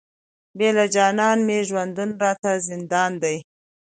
بې له جانانه مي ژوندون راته زندان دی،